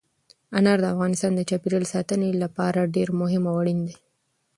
انار د افغانستان د چاپیریال ساتنې لپاره ډېر مهم او اړین دي.